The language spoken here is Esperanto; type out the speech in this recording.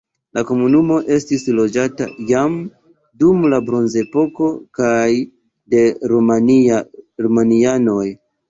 La komunumo estis loĝata jam dum la bronzepoko kaj de romianoj.